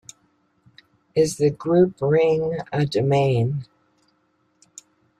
Is the group ring a domain?